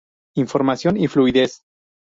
Información y Fluidez.